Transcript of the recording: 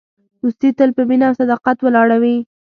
دوستي تل په مینه او صداقت ولاړه وي.